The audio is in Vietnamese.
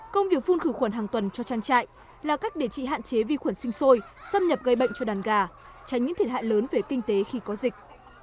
công việc phun khử khuẩn hàng tuần cho trang trại là cách để chị hạn chế vi khuẩn sinh sôi xâm nhập gây bệnh cho đàn gà tránh những thiệt hại lớn về kinh tế khi có dịch